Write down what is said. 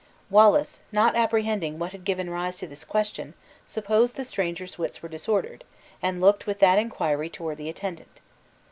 Wallace, not apprehending what had given rise to this question, supposed the stranger's wits were disordered, and looked with that inquiry toward the attendant.